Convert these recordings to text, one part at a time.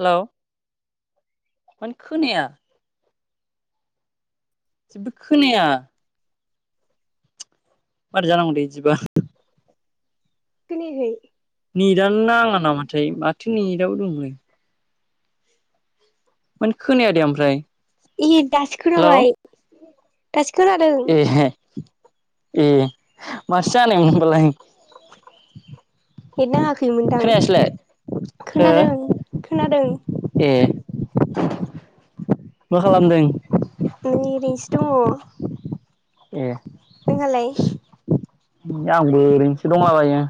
Hello मानो खोनाया? जेबो खोनाया। मारै जानांगौ दे इदिबा खोनायाखै? नेटानो नाङा नामाथाय माथो नेटाबो दं नै। मानो खोनाया दे ओमफ्राय इ दासो हेलौ खोनाबाय दासो खोनादों ए ए माथो जानाय ओमबालाय? नेट नाङाखै मोन दां खोनायासैलाय हो खोनादों? खोनादों। ए मा खालामदों। एरैनोसो ए दङ नोंहालाय? आंबो ओरैनोसो दंलाबायो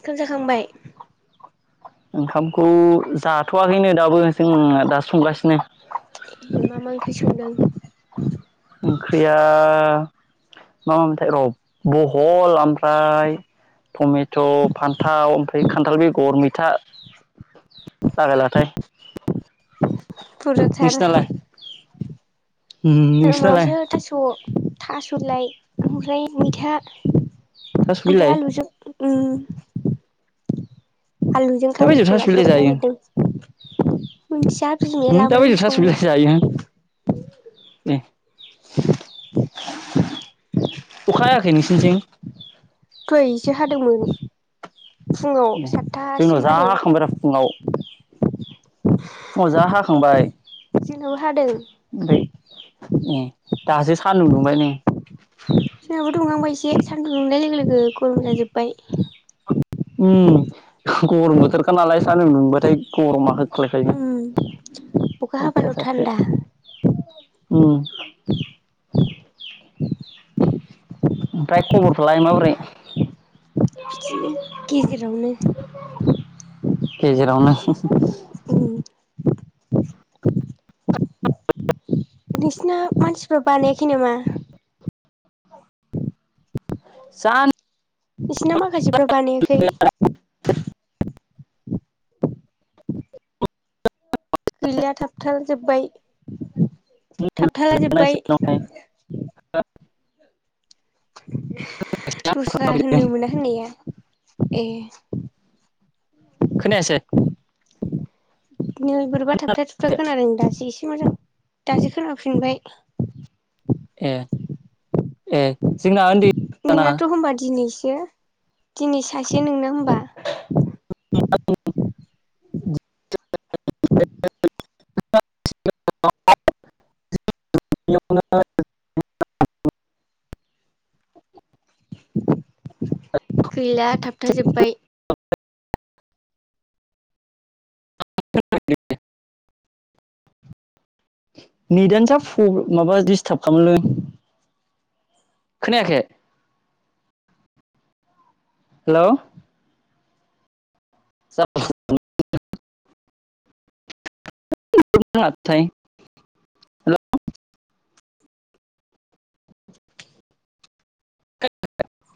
ओंखाम जाखांबाय? ओंखामखौ जाथ'वाखैनो दाबो जों दा संगासिनो। ए मा मा ओंख्रि संदों ओंख्रिया मा मामोनथाय र बहल ओमफ्राय टमेट' फान्थाव ओमफ्राय खान्थाल बेगर मैथा लागायलाथाय फुरझार नोंसिनालाय जों नोंसिनालाय माबासो थास थासलाय ओमफ्राय मैथा थास' ओमफ्राय बिलाइ आलुजों उम आलुजों दा बायदियाव खांक्रिखला थास' बिलाइ संनो जायो नागिरदों मिथिया बिमाया दा लाबोदों बायदियाव थास' संनो। बिलाइ जायो ए [inaudible] अखा हायाखै नोंसिनिथिं? दहाय इसे हादोंमोन। फुङाव ओम जोंनाव सातथासिम जा हादों हाखांबायब्रा फुङाव। फुङाव जा हाखांबाय जोंनाबो हादों ओमफ्राय ए दासो सान्दुं दुंबाय नै। सोर गथ दुंहांबाय एसे, सानदुं दुंनाय लोगो लोगो गरम जाजोब्बाय। उम गरम बोथोरखा नालाय सानदुं दुंबाथाय गरमा होद ओम अखा हाबाल अयथासारसो थानदा। [inaudible] उम ओमफ्राय खबरफ्रालाय माबोरै? बिदिनो गेजेरावनो [inaudible] गजेरावनो होम। उम नोंसिना मानसिफ्रा बानायाखै नामा? जान इसना माखासेफ्रा बानायाखै? गैला थाबथा जोब्बाय थाबथाला जोब्बाय। [inaudible] दस्रा होननो मोना होननाया। ए। खोनायासै बिदिनो बोरैबा थाबथा थुबथा खोनादों दासो एसे मोजां दासो खोनाफिनबाय। ए ए जोंना उन्दै जाना नोंङाथ होनबा दिनै यो सो दिनै सासे नोंना होनबा। [unintelligible] गैला थाबथाजोबबाय। [unintelligible] नेट आनो जा प्रल्बे माबा दिडस्टार्ब खामोनलै। खोनायाखे? हेल' [unintelligible] [unintelligible] [unintelligible]